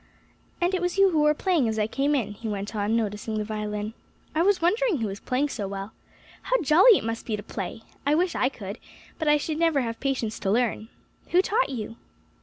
"And it was you who were playing as I came in," he went on, noticing the violin; "I was wondering who was playing so well. How jolly it must be to play! I wish I could, but I should never have patience to learn. Who taught you?"